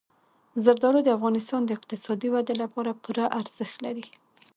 زردالو د افغانستان د اقتصادي ودې لپاره پوره ارزښت لري.